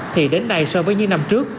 thì đến nay so với những năm trước